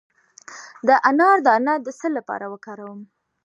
د انار دانه د څه لپاره وکاروم؟